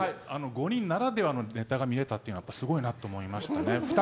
５人ならではのネタが見れたのはすごいなと思いました。